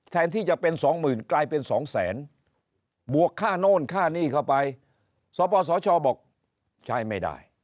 แทนที่จะเป็นสองหมื่นกลายเป็นสองแสนบวกค่าโน่นค่าหนี้เข้าไปสปสชบอกใช้ไม่ได้